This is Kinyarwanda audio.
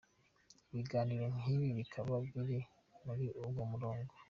Ibiganiro nk’ibi bikaba biri muri uwo murongo.